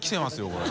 これ。